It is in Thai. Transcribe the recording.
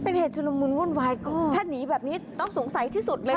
เป็นเหตุชดลมมือนว่นวายก็ถ้านีแบบนี้ต้องสงสัยที่สุดเลย